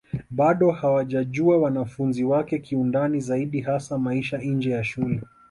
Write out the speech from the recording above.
Bado hajawajua wanafunzi wake kiundani zaidi hasa maisha nje ya shule